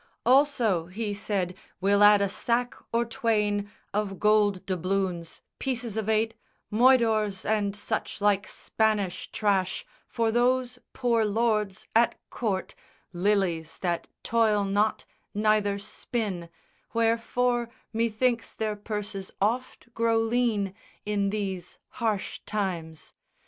Also, he said, we'll add a sack or twain Of gold doubloons, pieces of eight, moidores, And such like Spanish trash, for those poor lords At court, lilies that toil not neither spin, Wherefore, methinks their purses oft grow lean In these harsh times.